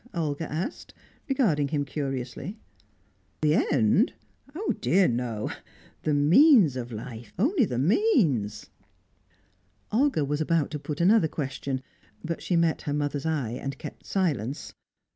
Olga asked, regarding him curiously. "The end? Oh, dear no! The means of life, only the means!" Olga was about to put another question, but she met her mother's eye, and kept silence.